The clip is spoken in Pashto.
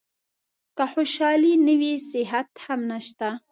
که خوشالي نه وي صحت هم نشته .